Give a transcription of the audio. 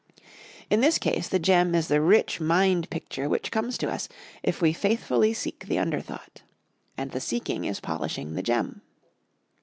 In this case the gem is the rich mind picture which comes to us if we faithfully seek the under thought. And the seeking is polishing the gem.